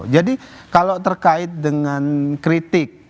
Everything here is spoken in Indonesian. jadi kalau terkait dengan kritik